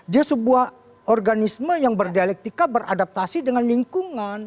dia sebuah organisme yang berdialektika beradaptasi dengan lingkungan